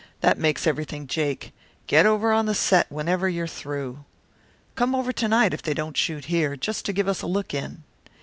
"That makes everything jake. Get over on the set whenever you're through. Come over tonight if they don't shoot here, just to give us a look in."